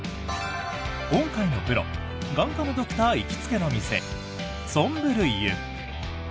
今回のプロ眼科のドクター行きつけの店ソンブルイユ。